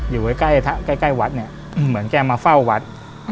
อยู่ใกล้ใกล้วัดเนี่ยเหมือนแกมาเฝ้าวัด